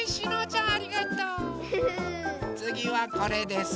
つぎはこれです。